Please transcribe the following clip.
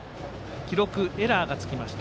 記録、エラーがつきました。